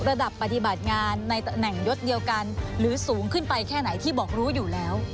ระดับปฏิบัติงานในตำแหน่งยศเดียวกันหรือสูงขึ้นไปแค่ไหนที่บอกรู้อยู่แล้ว